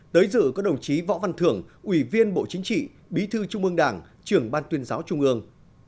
tới dự có đồng chí võ văn thưởng ủy viên bộ chính trị bí thư trung ương đảng trưởng ban tuyên giáo trung ương